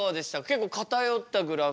結構偏ったグラフ。